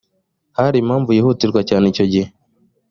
hari impamvu yihutirwa cyane icyo gihe